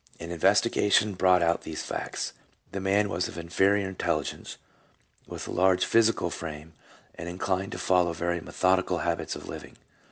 An investigation brought out these facts: The man was of inferior intelligence, with a large physical frame, and inclined to follow very methodical habits of living.